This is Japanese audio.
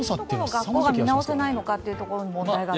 学校が見直せないのかというところに問題があるかと。